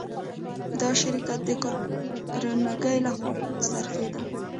دا شرکت د کارنګي لهخوا خرڅېده